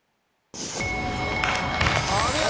お見事！